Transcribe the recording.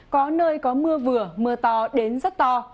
có nơi có mưa vừa mưa to đến rất to